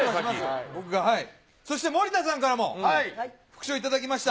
そして森田さんからも、副賞頂きました。